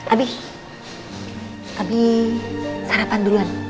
abi sarapan duluan